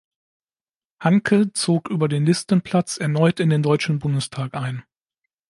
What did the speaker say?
Hanke zog über den Listenplatz erneut in den Deutschen Bundestag ein.